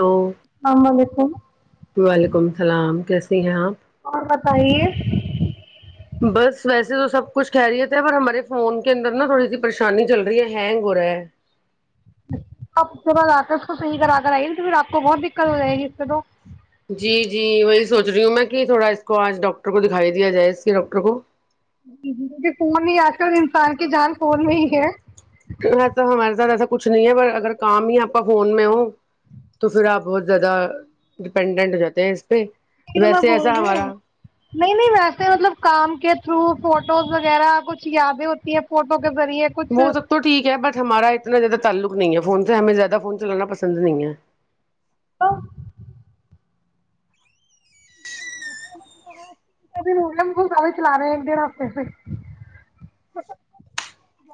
hello آم [unintelligible] ہوں [unintelligible] سی ہاں [unintelligible] اور بتائیے بس ویسے تو سب کچھ کہہ رہیتے پر ہمارے فون کے اندر نا تھوڑی سی پریشانی چل رہی ہے ہینگ ہو رہا ہے آپ آتے اس کو صحی کرا کر آئی نی تو پھر آپ کو بہت دقت ہو جائے گی اس سے تو جی جی وہی سوچ رہی ہوں میں کہ تھوڑا اس کو آج ڈاکٹر کو دکھائی دیا جائے اس کے ڈاکٹر کو فون نہیں آتے اور انسان کی جان فون میں ہی ہے ایسا ہمارے ساتھ ایسا کچھ نہیں ہے پر اگر کام ہی آپ کا فون میں ہو تو پھر آپ بہت زیادہ ڈپینڈنٹ ہو جاتے ہیں تو میں ویسے بول ایسا رہی ہوں ہمارا نہیں نہیں ویسے مطلب کام کے تھرو فوٹوز وغیرہ کچھ یادیں ہوتی ہیں فوٹو کے ذریعے کچھ وہ سب تو ٹھیک ہے بٹ ہمارا اتنا زیادہ تعلق نہیں ہے فون سے ہمیں زیادہ فون چلانا پسند نہیں ہے و [inaudible] سارے چلا رہے ہیں ایک ڈھ ہفتے سے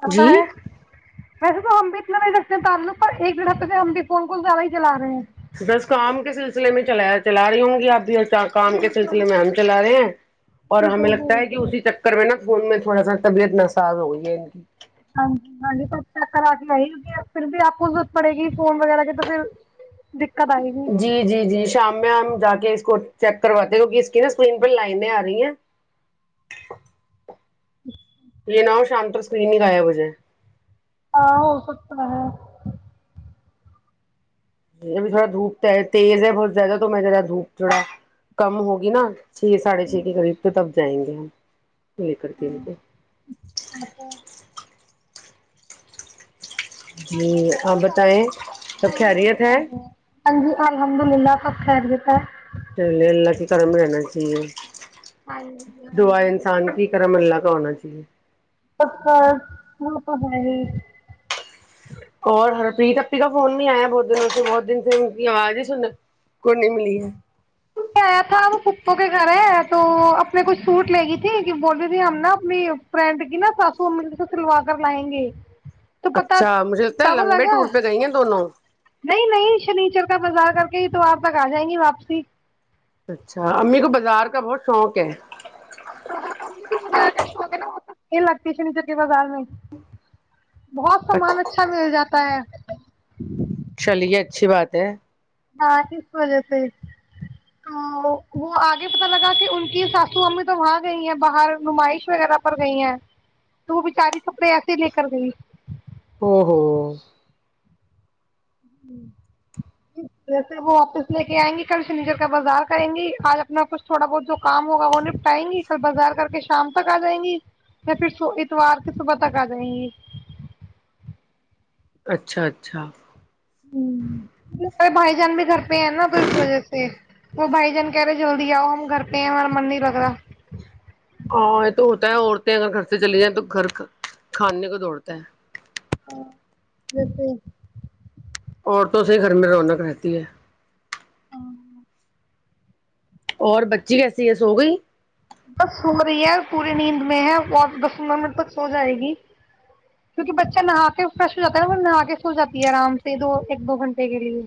بتا جی ہے [unintelligible] ویسے تو ہم بھی اتنا نہیں رکھتے ہیں تعلق پر ایک ڈھ ہفتےہ ہم بھی فون کوون زیادہ ہی چلا رہے ہیں بس کام کے سلسلے میں چلا چلا رہی ہوں گی آپ بھی کیا کام کے بالکل سلسلے میں ہم چلا رہے ہیں اور بالکل ہمیں لگتا ہے کہ بالکل اسی چکر میں نا فون میں تھوڑا سا طبیعت نساز ہو گئی ہے ان کی ہاں جی ہاں سب چ کرا کے آئی کی پھر بھی آپ کو ضرورت پڑے گی فون وغیرہ کی تو پھر دقت آئے گی جی جی جی شام میں ہم جا کے اس کو چیک کرواتے لک اس کی نا اسکرین پ لائن آ رہی ہیں ا [unintelligible] یہ ناؤ شانتر سکرین ہی لایا مجھے ہاں ہو سکتا ہے ج ابھی تھوڑا دھوپ ہے تیز ہے بہت زیادہ تو میں ذرا دھوپ تھوڑا کم ہوگی نا چھ سڑھے چھ کے قب تب جائیں گے ہم لے کر کے ان کو اچھا جی آپ بتائیں سب خیریت ہے ہاں جی الحمد للہ کب خییرت ہے کررم رہنا چاہیے دعا انسان کی کرم اللہ کرانا چاہیے پپا وہ تو ہے اور ہرپریت اپی کا فون بھی آیا بہت دنوں سے بہت دن سے ان کی آواز ہی سن کو نہیں ملی ہے آیا تھا اب پپپو کے گھر ہے تو اپنے کچھ سوٹ لے گی تھی کہ بول رہی تھی ہم نا اپنی فرینڈ کی نا ساسو ا سے سلوا کر لائیں گے تو پتا اچھا مجھے لگتا ہے تب لمبے لگا ٹور پہ گئی ہیں دونوں نہیں نہیں شنیچر کا بازار کر کے ہی تو آپ تک آ جائیں گی واپسی اچھا امی کو بازار کا بہت شوق ہے یہ لگتی نچ کے بازار میں بہت سامان اچھا مل جاتا ہے [inaudible] چلیے اچھی بات ہے ہاں اس وجہ سے تو وہ آگے پتہ لگا کہ ان کی ساسو امی تو وہاں گئی ہیں باہر نمائش وغیرہ پر گئی ہیں تو وہ بچاری کپڑے ایسے لے کر گئی [inaudible] اس وس وہ واپس لے کے آئیں گی کل سنیچر کا بازار کریں گی آج اپنا کچھ تھوڑا بہت جو کام ہوگا وہ نپٹائیں گی کل بازار کر کے شام تک آ جائیں گی یا پھر اتوار کے صبح تک آ جائیں گی اچھا اچھا ارے بھائی جان بھی گھر پہ ہیں نا تو اس وجہ سے وہ بھائی جان کہہ رہے جلدی آؤ ہم گھر پہ ہیں ہمارا من نہیں لگ رہا ہاں یہ تو ہوتا ہے عورتیں اگر گھر سے چلی جائیں تو گھر کھانے کو دوڑتا ہے ہ ج عورتوں سے ہی گھر میں رونق رہتی ہے اور بچی وسی ہے سو گئی بس سمر ہی ہے پوری نیند میں ہے اور بس سمر میںن ب سو جائے گی کیونکہ بچہ نہا کے فریش ہو جاتا ہےا ب نہا کے سو جاتی ہے آرام سے دو ایک دو گھنٹے کے لیے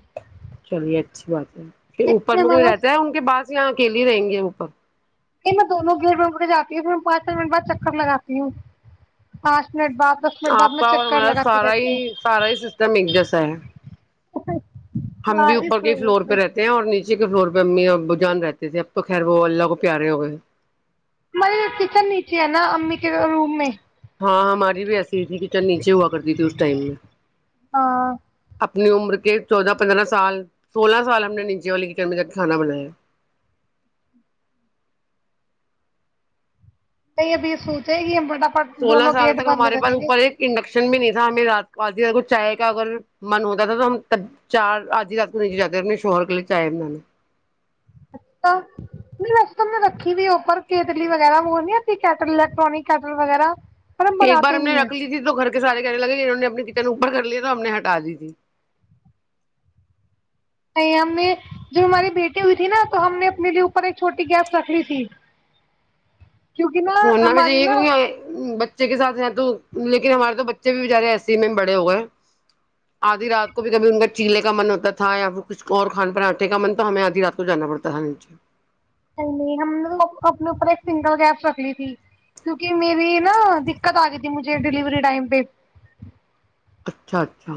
چلیے اچھی بات ہے کہ اوپر اتنے میں کوئی ہمارا رہتا ہے ان کے پاس یہاں اکیلیے رہیں گے یہ اوپر نہیں میں دونوں گیٹ میں اٹھے جاتی ہوں پھر پانچ چ منٹ بعد چکر لگاتی ہوں پ آپ کا اور ہمارا سارا ہی رہتی سارا ہی سسٹم ایک جیسا ہے [inaudible] ہم ہاں بھی اوپر اس کے وجہ فلور سے پہ رہتے ہیں اور نیچے کے فلور پہ ہم جان رہتے تھے اب تو خیر وہ اللہ کو پیارے ہو گئے ہماری کچن نیچے ہے نا امی کے روم میں ہاں ہماری بھی ایسی ہی تھی کہچل نیچے ہوا کرتی تھی اس ٹائم میں ا ہاں اپنی عمر کے چودہ پندرہ سال سولہ سال ہم نے نیچے والی کی چرمی تک کھانا بنایا نہیں ابھی سوچے گ کہ ہم ب سولہ سال تک ہمارے پاس اوپر ایک انڈکشن بھی نہیں تھا ہمیں رات آدھی رات کو چائے کا اگر من ہوتا تھا تو ہم تب چار آدھی رات کو نیچے جاتے اپنے شوہر کے لیے چائے بنانا اچھا نہیں وس تو میں رکھی بھی اوپر کیتلی وغیرہ وہ اھی کیٹلیکٹرانک کیٹل وغیرہ پر ایک بار بناتے ہم نے نہیں ہیں رکھ لی تھی تو گھر کے سارے کہنے لگے انہ نے اپنی اوپر کر لیا تو ہم نے ہٹا دی تھی نہیں ہم نے جوب ہماری بیٹی ہوئی تھی نا تو ہم نے اپنے لیے اوپر ایک چھوٹی گیپ رکھ لی تھی کیونکہ نا ہونا بھی ہماری جیے نا کیونکہ بچے کے ساتھ تو لیکن ہمارے تو بچے بھی بچارے ایسے ہی میں بڑے ہو گئے آدھی رات کو بھی کبھی ان کا چیلے کا من ہوتا تھا یا پھر کچھ اور کھان پراٹھے کا من تو ہمیں آدھی رات کو جانا پڑتا تھا نیچے نہیں نہیں ہم نے تو اپنے اوپر ایک سنگل گیس رکھ لی تھی کیونکہ میری نا دقت آ گئی تھی مجھے ڈیلیوری ٹائم پہ اچھا اچھا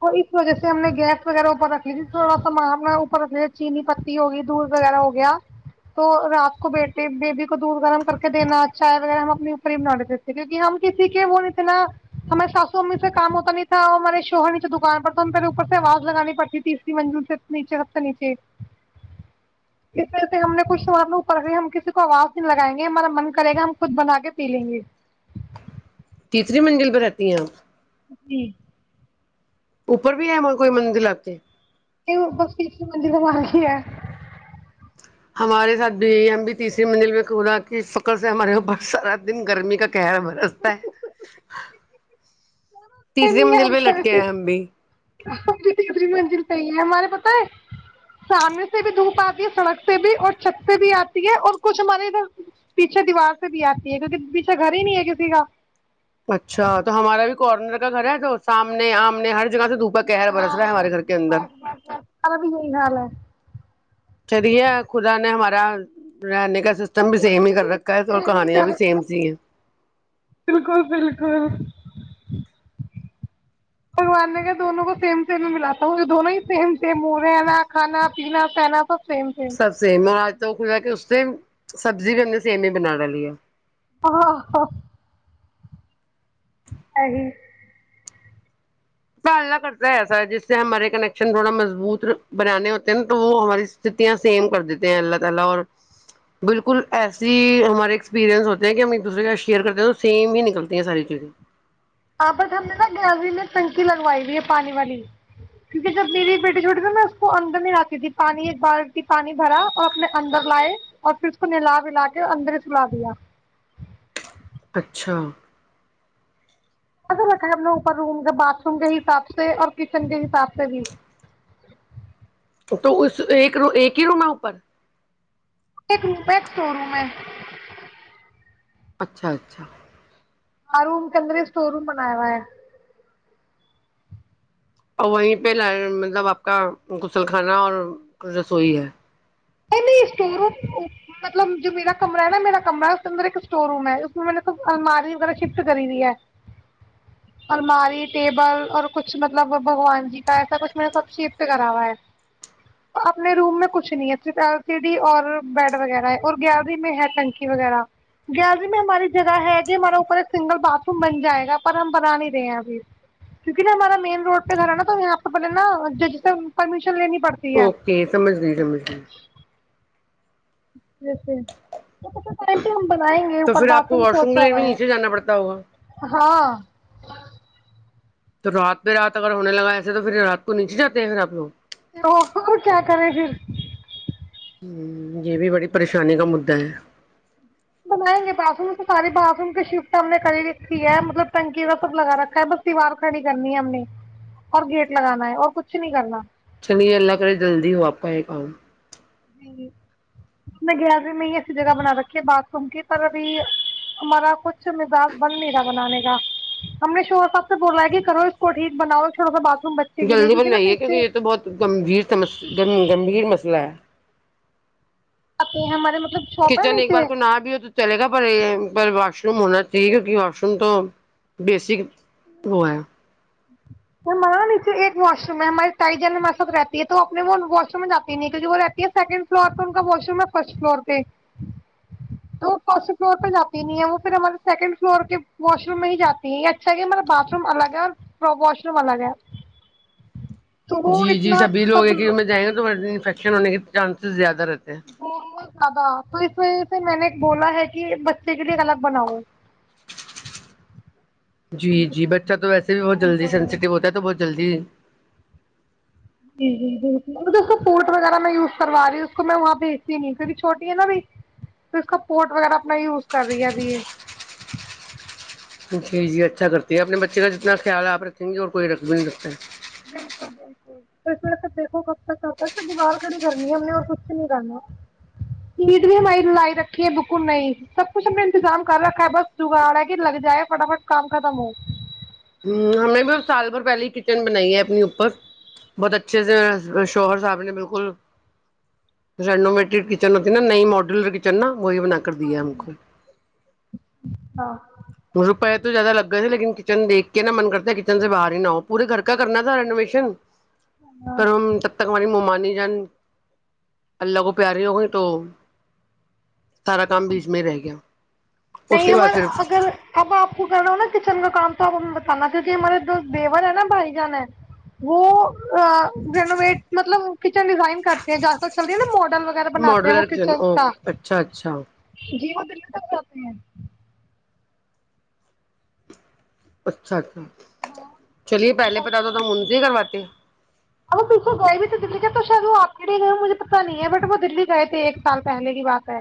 تو اس وجہ سے ہم نے گیس وغیرہ اوپر رکھ لی تھی تھوڑا سا اوپر رکھ لی چینی پتی ہوگی دودھ وغیرہ ہو گیا تو رات کو بیٹے بیبی کو دودھ گرم کر کے دینا چائے وغیرہ ہم اپنے اوپر ہی بنا دیتے تھے کیونکہ ہم کسی کے وہ نہیں تھ نا ہمارے ساسو امی سے کام ہوتا نہیں تھا ہمارے شوہر دکان پر تو ہم پے اوپر سے آواز لگانی پڑتی تیسری منزل سے نیچے سب سے نیچے اس ط سے ہم نے کچھ اپر ہم کسی کو آواز نہیں لگائیں گے ہمارا من کرے گا ہم خود بنا کے پی لیں گے تیسری منزل پہ رہتی ہیں آپ ابی اوپر بھی ہے م کوئی مندر لا کے یہ بس فس مند کا مانگی ہے ہمارے ساتھ بھی ہم بھی تیسری منزل میں کودا کہ فکر سے ہمارے اوپر سارا دن گرمی کا کہرا برستا ہے تیسری نہیں منزل ہم پہ کو لٹکے ہیں بھی ہم ت تری منل تو یہ ہمارے پت ہے سامنے سے بھی دھوپ آتی ہے سڑک سے بھی اور چھت سے بھی آتی ہے اور کچھ ہمارے ادھر پیچھے دیوار سے بھی آتی ہے کیونکہ پیچھے گھر ہی نہیں ہے کسی کا اچھا تو ہمارا بھی کارنر کا گھر ہے تو سامنے آم نے ہر جگہ سے دھوپ ب کہہر برس رہا ہے ہمارے گھر کے اندر ہمارا بھی یہی حال ہے چلیے خدا نے ہمارا رہنے کا ا کا سسٹم سب بھی سیم ہی کچھ کر رکھا ہے اور کہانیاں بھی سیم س ہیں بالکل بالکل بھگوان نے کہ دونوں کو سیم سیل میں ملاتا ہوں یہ دونوں ہی سیم منہنا کھانا پیا پا آپ سب سے آج تو خا کہ سبزی بھی اننی سیم ہی بنا والی ہے ہ نہیں [unintelligible] آپت ہم نے نا گلری میں ٹنکی لگوائی ت ہے پانی والی کیونکہ جب میری بیٹی چھوٹی تھی میں اس کو اندر میں راتتی تھی پانی ایک بال پانی بھرا اور اپنے اندر لائے اور پھر اس کو نلا ولا کے اندر ہی سلا دیا اچھا اا رکھا ہے ہم نے اوپر روم کے باتھ روم کے حساب سے اور کچن کے حساب سے بھی تو اس ایک ایک ہی رونا اوپر ایک رووم ایک شو روم ہے اچھا اچھا آ روم کےدرے اسٹور روم بنایا ہوا ہے اور وہیں پہ ل مطلب آپ کا غسل خانا اور رسوئی ہے نہیں نہیں اسٹور روم مطلب جو میرا کمرہ ہے نا میرا کمرہ ہے اس کے اندر ایک اسٹور روم ہے اس میں میں نے س الماری وغیرہ شفٹ کری ہو ہے الماری ٹیبل اور کچھ مطلب بھگوان جی کا ایسا کچھ میں نے سب شفٹ کرا ہوا ہے اپنے روم میں کچھ نہیں ہے ایل سی ڈی اور بیڈ وغیرہ ہے اور گیلری میں ہے نکی وغیرہ گیلری میں ہماری جگہ ہے ج ہمارا اوپر ایک سنگل باتھ روم بن جائے گا پر ہم بنا نہیں رہے ہیں ابھی کیک نا ہمارا مین روڈ پہ گھر ہے نا تو یہاں پہ بلے نا جشن اوکے سمجھ لی سمج لی ج جیسے ٹم پہ ہم بنائیں گے تو اوپر پھر آپ باتھ کو روم واش کے سوچا لیے رہا بھی ہے نیچے جانا پڑتا ہوگا ہاں تو رات پہ رات اگر ہونے لگا ایسے تو پھر رات کو نیچے جاتے ہیں پھر آ لوگ کیا کرے پھر ہ یہ بھی بڑی پریشانی کا مدا ہے بنائیں گے باتھ روم تو سارے باتھ روم کے شفٹ ہم نے کی رکھی ہے مطلب ٹنکی کا سب لگا رکھا ہے بس سوار کھڑی کرنی ہے ہم نے اور گیٹ لگانا ہے اور کچھ نہیں کرنا چلیے اللہ کرے جلدی ہو آپ کا یہ کام جی نے گیال میں ہی ایسی جگہ بنا رکھی باتھ روم کی پر ابھی ہمارا کچھ مزاج بند نہیں تھا بنانے کا ہم نے شوہر صاحب سے بولا ہے کہ کرو اس کو ٹھیک بناؤ چھوٹا سا بات جلدی بن جائیے کیونکہ یہ تو بہت گمبھیرم گمبھیر مسئلہ ہے اپنے ہمارے مطلب شاپ ہے کچن ایک بار نیچے کو نہ بھی ہو تو چلے گا پر واش ش روم ہونا چاہیے کیونکہ واش روم تو بیسک وہ ہے ہمارا نیچے ایک واش روم ہے ہمارے تائی جین ہمارے سات رہتی ہے تو اپنے وہ واش روم میں جاتی نہیں کیونکہ وہ رہتی ہے سیکنڈ فلور پہ ان کا واش روم ہے فرسٹ فلور پہ تو فرسٹ فلور پہ جات ہی نہیں ہے وہ پھر ہمارے سیکنڈ فلور کے واش روم میں ہی جاتی ہے یہ اچھا کہ ہمارا باتھ روم الگ ہے اور واش روم الگ ہے تو وہ جی جی اتنا سبھی لوگ ہے سب کہ میں جائیں گے توفش ہونے کے چانسز زیادہ رہتے ہیں گولول زیادہ توس میں نے ایک بولا ہے کہ بچے کے لیے الگ بناؤ جی جی بچہ تو ویسے بھی بہت جلدی سینسٹیو ہوتا ہے تو بہت جلدی جی جی جی پورٹ وغیرہ میں یوز کروا رہی ہوں اس کو میں وہاں بھیجتی نہیں کیکہ چھوٹی ہے نا اب تو اس کا پورٹ وغیرہ اپنا یوز کر رہی ہے ابھی یہ جی جی اچھا کرتی ہے اپنے بچے کا جتنا خیال آپ رکھیں گے اور کوئی رکھ بھی نہیں رکتا ہے بالکل بالکل تو دیکھو کب تک بیمار کھڑی کرنی ہے ہم نے اور کچھ نہیں کرنا سیٹ بھی ہماری لائی رکھی ہے بکن نہیں سب کچھ ہم نے انتظام کر رکھا ہے بس جگاڑا کہ لگ جائے فٹافٹ کام ختم ہو ہ ہم نے بھی ا سال بھر پہل کچن بنائی ہے اپنی اوپر بہت اچھے سے شوہر صاحب نے بالکل رینوویٹیڈ کچن ہوتی نا نئی ماڈیولر کچن نا وہی بنا کر دیا ہم کو ہاں روپئے تو زیادہ لگ گئے تھے لیکن کچن دیکھ کے نا من کرتا ہے کچن سے باہر ہی نہ ہو پورے گھر کا کرنا تھا رینویشن ہاں پر ہم جب تک ہماری ممال جان اللہ کو پیاری ہو گئی تو سارا کام بیچ میں ہی رہ گیا اس نہیں کے بعد ہمار پھر اگر اب آپ کو کر رہا ہوں نا کچن کا کام تو آپ ہمیں بتانا کیونکہ ہمارے جو دیور ہے نا بھائی جان ہے وہ رینویٹ مطلب کچن ڈیزائن کرتے آج تل چل رہی ہے نا مڈ ماڈلر د او اچھا اچھا پ اچھا اچھا چلیے پہلے پتا تو ہم ان سے ہی کرواتے ا کو گئے بھی تو دنے کا تو شاید وہ آپ کے لیے گئے ہ مجھے پتا نہیں ہے بٹ وہ دلی گئے تھے ایک سال پہلے کی بات ہے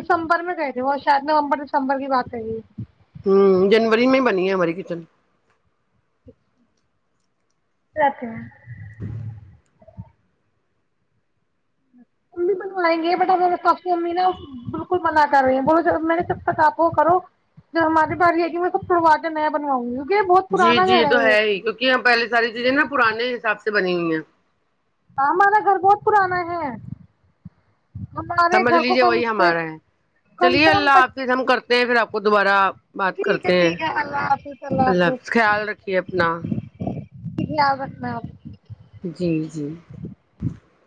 دسمبر میں گئے تھے وہ شاید نومبر دسمبر کی بات ہے ہوں جنوری میں بنی ہے ہماری کچن جتے ہیں ہ امی بنوائیں گے بٹ ابارے پاپو امی نا بالکل منع کر رہی ہیں بولو ج میں نے جب تک آپ وہ کرو جو ہمارے پس یہ ہے کہ میں سب پروازہ نیا بنوؤں گی یہ بہت جی پرانا جی یہ گھر تو ہے ہی کیونکہ یہاں پہلے ساری چیزیں نا پرانے حساب سے بنی ہوئییا ہمارا گھر بہت پرانا ہے ہمارے سمجھ گھر کو لیجیے کم وہی سے ہمارا ہے کم چلیے سے کم اللہ حافظ ہم کرتے پھر آپ کو دوبارہ بات ٹھیک کرتے ہے ہیں ٹھیک ہے اللہ حافظ اللہ حافظ خیال رکھیے اپنا بت ن جی جی